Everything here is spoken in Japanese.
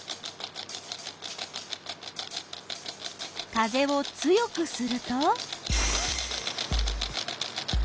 風を強くすると？